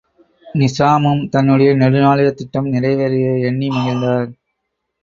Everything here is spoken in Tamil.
நிசாமும், தன்னுடைய நெடுநாளைய திட்டம், நிறைவேறியதையெண்ணி மகிழ்ந்தார்.